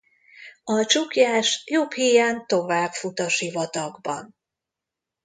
A csuklyás jobb híján tovább fut a sivatagban.